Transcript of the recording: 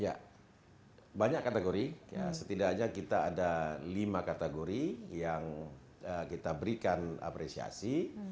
ya banyak kategori setidaknya kita ada lima kategori yang kita berikan apresiasi